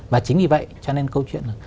và chính vì vậy cho nên câu chuyện là